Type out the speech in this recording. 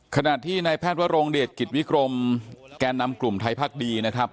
ขณะที่นายแพทย์วรงเดชกิจวิกรมแก่นำกลุ่มไทยพักดีนะครับ